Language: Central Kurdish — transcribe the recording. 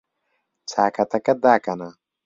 چاکەتەکەت داکەنە.